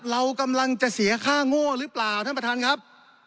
เรากำลังจะเสียค่าโง่หรือเปล่าท่านประธานครับ